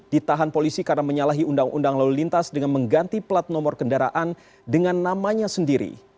ditahan polisi karena menyalahi undang undang lalu lintas dengan mengganti plat nomor kendaraan dengan namanya sendiri